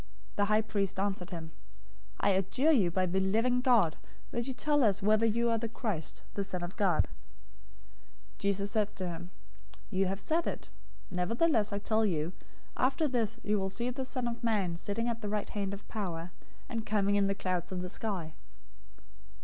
The high priest answered him, "I adjure you by the living God, that you tell us whether you are the Christ, the Son of God." 026:064 Jesus said to him, "You have said it. Nevertheless, I tell you, after this you will see the Son of Man sitting at the right hand of Power, and coming on the clouds of the sky."